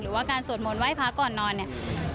หรือว่าการสวดมนต์ไห้พระก่อนนอนเนี่ย